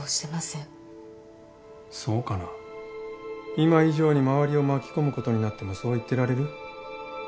今以上に周りを巻き込むことになってもそう言ってられる？